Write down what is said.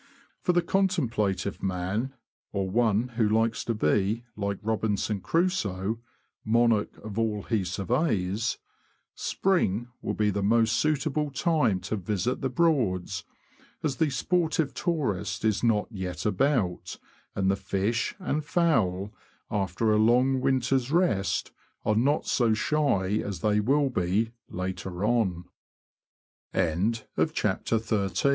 For the contemplative man, or one who likes to be, like Robinson Crusoe, '' monarch of all he surveys," spring will be the most suitable time to visit the Broads, as the sportive tourist is not yet about, and the fish and fowl, after a long winter's rest, are not so shy as they will be later